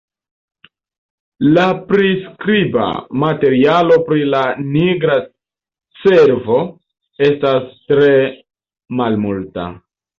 La priskriba materialo pri la nigra cervo estas tre malmulta.